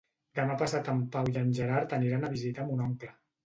Demà passat en Pau i en Gerard aniran a visitar mon oncle.